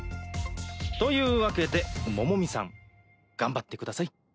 というわけでモモミさん頑張ってください。